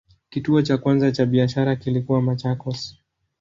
Kituo cha kwanza cha biashara kilikuwa Machakos.